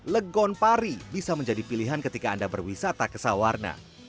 legon pari bisa menjadi pilihan ketika anda berwisata ke sawarna